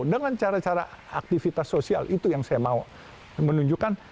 dengan cara cara aktivitas sosial itu yang saya mau menunjukkan